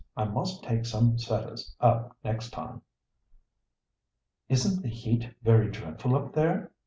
I must take some setters up next time." "Isn't the heat very dreadful up there?"